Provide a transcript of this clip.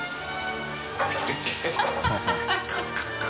ハハハ